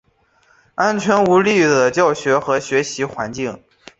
安全无虞的教学和学习环境